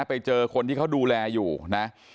ไปเจอคนที่เขาดูแลอยู่นะ